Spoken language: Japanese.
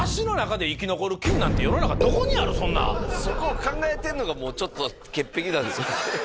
そこを考えてんのがもうちょっと潔癖なんですよ